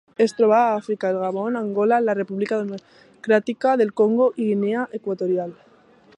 Es troba a Àfrica: el Gabon, Angola, la República Democràtica del Congo i Guinea Equatorial.